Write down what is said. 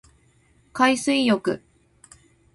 海水浴